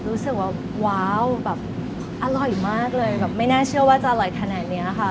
รู้สึกว่าว้าวแบบอร่อยมากเลยแบบไม่น่าเชื่อว่าจะอร่อยขนาดนี้ค่ะ